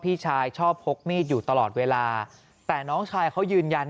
พี่ชายชอบพกมีดอยู่ตลอดเวลาแต่น้องชายเขายืนยัน